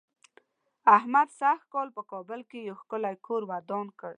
احمد سږ کال په کابل کې یو ښکلی کور ودان کړ.